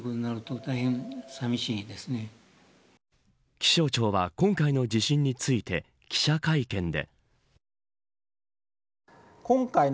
気象庁は今回の地震について記者会見で。